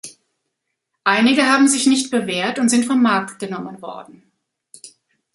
Einige haben sich nicht bewährt und sind vom Markt genommen worden.